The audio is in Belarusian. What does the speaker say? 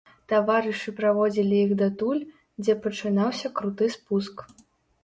Таварышы праводзілі іх датуль, дзе пачынаўся круты спуск.